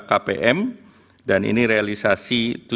kpm dan ini realisasi